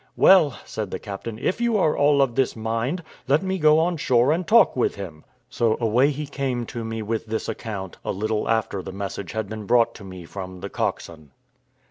"Well," said the captain, "if you are all of this mind, let me go on shore and talk with him." So away he came to me with this account, a little after the message had been brought to me from the coxswain.